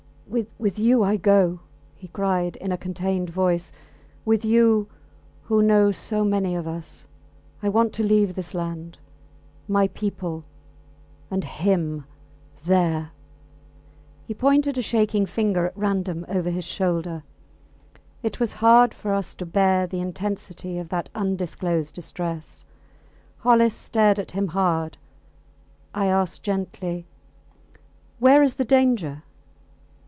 With you I go! he cried in a contained voice. With you, who know so many of us. I want to leave this land my people ... and him there! He pointed a shaking finger at random over his shoulder. It was hard for us to bear the intensity of that undisclosed distress. Hollis stared at him hard. I asked gently Where is the danger?